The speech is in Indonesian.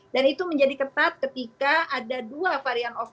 dan itu menjadi ketat ketika ada dua varian of covid